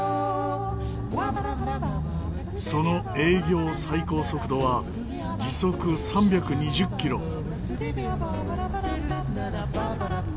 その営業最高速度は時速３２０キロ。